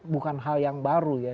bukan hal yang baru ya